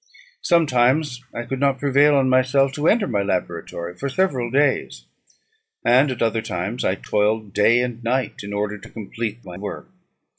Sometimes I could not prevail on myself to enter my laboratory for several days; and at other times I toiled day and night in order to complete my work.